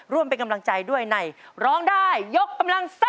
ร่วมเป็นกำลังใจด้วยในร้องได้ยกกำลังซ่า